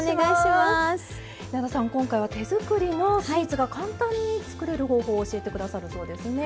今回は手づくりのスイーツが簡単につくれる方法を教えて下さるそうですね。